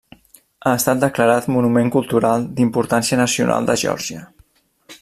Ha estat declarat monument cultural d'importància nacional de Geòrgia.